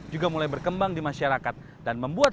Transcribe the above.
juga mulai berkembang di masyarakat